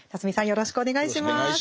さんよろしくお願いします。